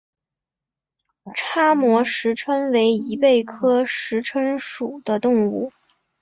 叉膜石蛏为贻贝科石蛏属的动物。